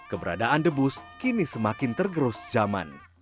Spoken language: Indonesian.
keberadaan debus kini semakin tergerus zaman